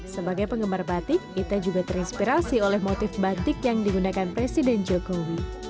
sebagai penggemar batik ita juga terinspirasi oleh motif batik yang digunakan presiden jokowi